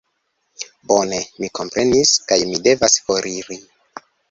Bone, mi komprenis, kaj mi devas foriri